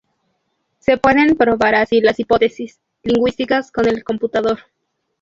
Se pueden probar así las hipótesis lingüísticas con el computador.